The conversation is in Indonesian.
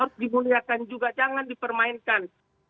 harus dimuliakan juga jangan dipermainkan